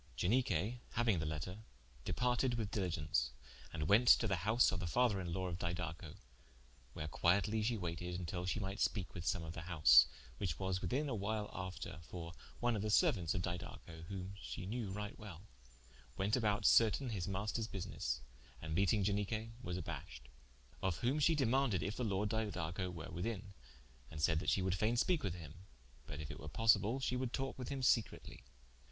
Ianique hauing the letter, departed with diligence, and went to the house of the father in lawe of Didaco, where quietly shee waited till shee mighte speake with some of the house, which was within a while after: for one of the seruauntes of Didaco whom she knew right well, wente about certaine his maisters busines, and meeting Ianique was abashed. Of whom she demaunded if the Lord Didaco were within, and saide that she would faine speake with him: but if it were possible she would talke with him secretly.